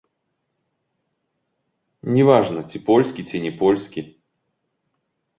Не важна, ці польскі, ці не польскі.